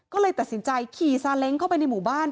ก็เลยตัดสินใจขี่ซาเล้งเข้าไปในหมู่บ้าน